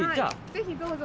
ぜひどうぞ。